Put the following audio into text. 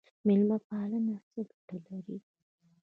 میلمه پالنه څه ګټه لري؟